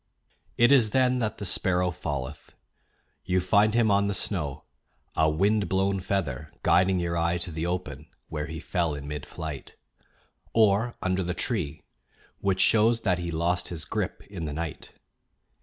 It is then that the sparrow falleth. You find him on the snow, a wind blown feather guiding your eye to the open where he fell in mid flight; or under the tree, which shows that he lost his grip in the night.